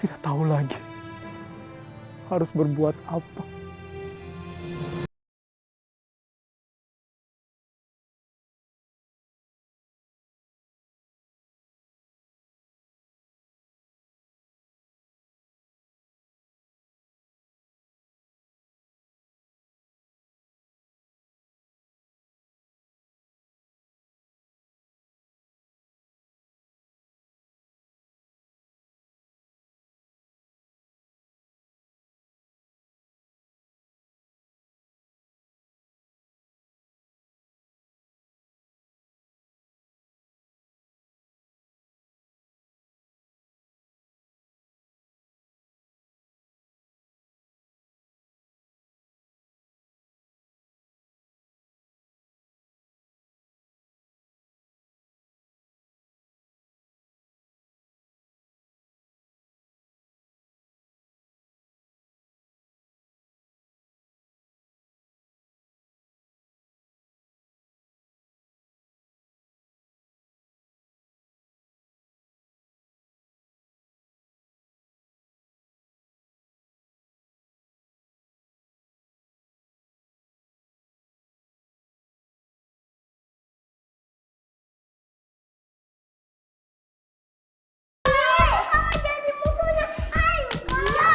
aku jadi pahlawan